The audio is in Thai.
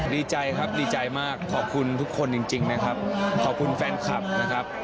ดีใจครับดีใจมากขอบคุณทุกคนจริงนะครับขอบคุณแฟนคลับนะครับ